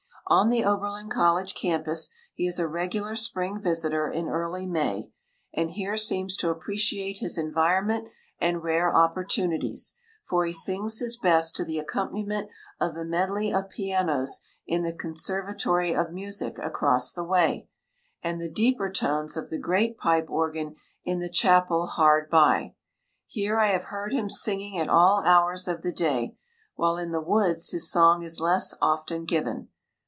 On the Oberlin College campus he is a regular spring visitor in early May, and here seems to appreciate his environment and rare opportunities, for he sings his best to the accompaniment of the medley of pianos in the Conservatory of Music across the way, and the deeper tones of the great pipe organ in the chapel hard by. Here I have heard him singing at all hours of the day, while in the woods his song is less often given.